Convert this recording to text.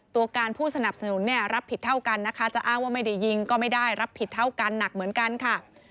ตัวการผู้สนับสนุนเนี่ยรับผิดเท่ากันนะคะจะอ้างว่าไม่ได้ยิงก็ไม่ได้รับผิดเท่ากันหนักเหมือนกันค่ะ